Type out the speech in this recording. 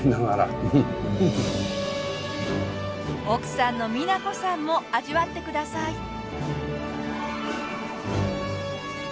奥さんの美奈子さんも味わってください。